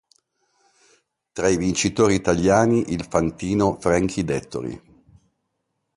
Tra i vincitori italiani il fantino Frankie Dettori.